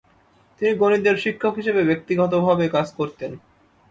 তিনি গণিতের শিক্ষক হিসেবে ব্যক্তিগতভাবে কাজ করতেন।